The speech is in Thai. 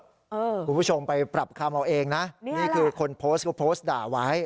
คุณผู้ชมไปปรับคำเอาเองนะนี่คือคนโพสต์ก็โพสต์ด่าไว้